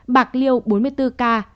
bạc liêu bốn mươi bốn ca